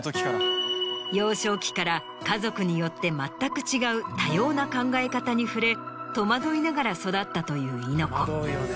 幼少期から家族によって全く違う多様な考え方に触れ戸惑いながら育ったという猪子。